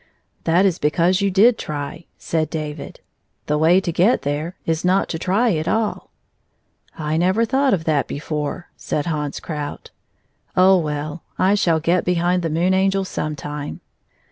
"That is because you did try," said David. "The way to get there is not to try at all." "I never thought of that before," said Hans Krout. " Oh, well, I shall get behind the Moon Angel some time."